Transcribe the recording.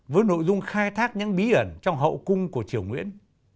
với nội dung khai thác những bí ẩn trong hậu cung của triều nguyễn